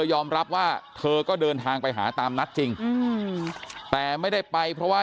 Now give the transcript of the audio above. ยอมรับว่าเธอก็เดินทางไปหาตามนัดจริงแต่ไม่ได้ไปเพราะว่า